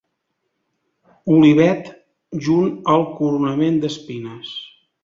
Olivet, junt al coronament d'espines.